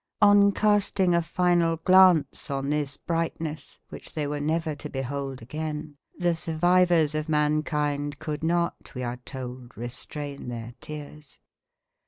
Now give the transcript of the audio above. On casting a final glance on this brightness, which they were never to behold again, the survivors of mankind could not, we are told, restrain their tears.